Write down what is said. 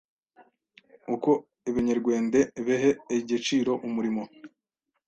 Uko ebenyerwende behe egeciro umurimo